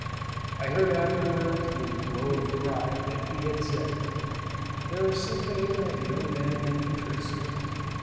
I heard afterwards with a glow of pride that he had said, "There is something in that young man that interests me."